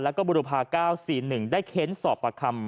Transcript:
และก็บริษัท๙๔๑ได้เข้นสอบประคำ